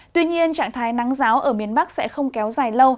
tuy nhiên trạng thái nắng giáo ở miền bắc sẽ không kéo dài lâu